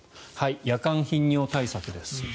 夜間頻尿対策です。